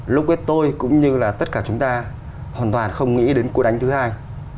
lúc hết tôi cũng như là tất cả chúng ta hoàn toàn không nghĩ đến cuộc đánh thứ hai